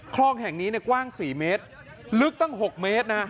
คลองแห่งนี้กว้าง๔เมตรลึกตั้ง๖เมตรนะ